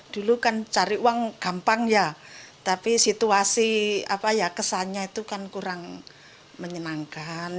dulu kan cari uang gampang ya tapi situasi kesannya itu kan kurang menyenangkan